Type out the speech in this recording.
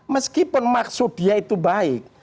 meskipun maksud dia itu baik